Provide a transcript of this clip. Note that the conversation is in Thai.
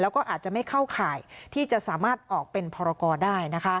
แล้วก็อาจจะไม่เข้าข่ายที่จะสามารถออกเป็นพรกรได้